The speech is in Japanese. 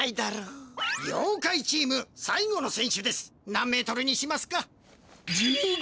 何メートルにしますか？